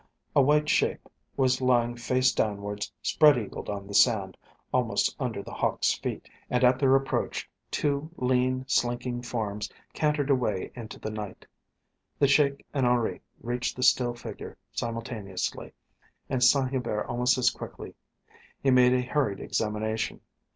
A white shape was lying face downwards, spread eagled on the sand, almost under The Hawk's feet, and at their approach two lean, slinking forms cantered away into the night. The Sheik and Henri reached the still figure simultaneously and Saint Hubert almost as quickly. He made a hurried examination.